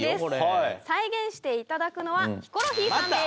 再現して頂くのはヒコロヒーさんです。